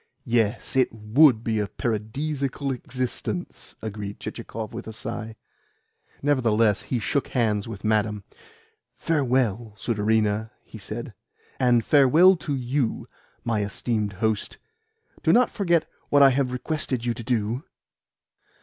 "Yes, it WOULD be a paradisaical existence!" agreed Chichikov with a sigh. Nevertheless he shook hands with Madame. "Farewell, sudarina," he said. "And farewell to YOU, my esteemed host. Do not forget what I have requested you to do."